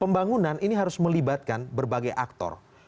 pembangunan ini harus melibatkan berbagai aktor